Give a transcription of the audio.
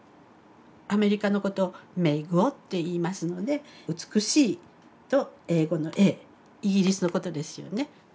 アメリカのことを美国といいますので美しいと英語の英イギリスのことですよね。